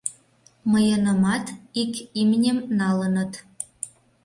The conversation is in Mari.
— Мыйынымат ик имнем налыныт.